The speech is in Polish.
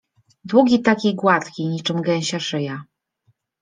Długi taki i gładki, niczym gęsia szyja.